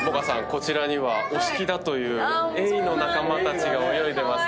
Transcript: こちらにはお好きだというエイの仲間たちが泳いでますね。